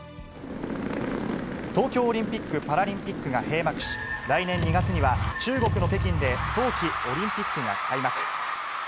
東京オリンピック・パラリンピックが閉幕し、来年２月には中国の北京で冬季オリンピックが開幕。